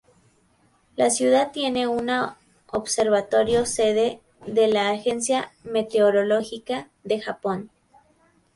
La ciudad tiene una observatorio-sede de la Agencia Meteorológica de Japón.